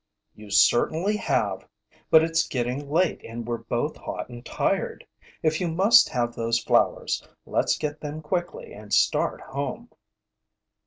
"You certainly have! But it's getting late and we're both hot and tired. If you must have those flowers, let's get them quickly and start home."